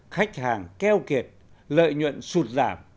khách hàng keo kẹt lợi nhuận sụt giảm